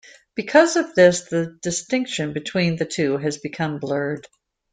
Because of this, the distinction between the two has become blurred.